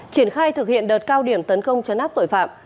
triển khai thực hiện đợt cao điểm tấn công chấn áp tội phạm